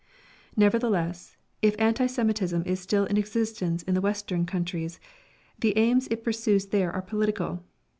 Nevertheless, if anti Semitism is still in existence in the Western countries, the aims it pursues there are political.